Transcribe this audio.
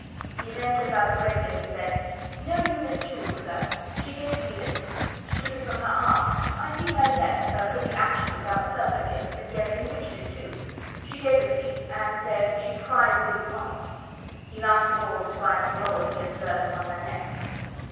'" He then took out the bracelet, and said: "Know you this jewel, sir? She gave me this. She took it from her arm. I see her yet; her pretty action did outsell her gift, and yet enriched it, too. She gave it me, and said, SHE PRIZED IT ONCE." He last of all described the mole he had observed upon her neck.